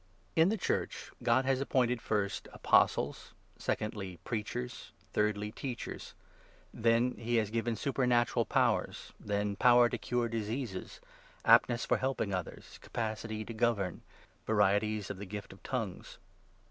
In the Church God has appointed, first, 28 Apostles, secondly Preachers, thirdly Teachers ; then he has given supernatural powers, then power to cure diseases, aptness for helping others, capacity to govern, varieties of the gift of ' tongues.'